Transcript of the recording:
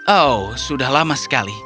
oh sudah lama sekali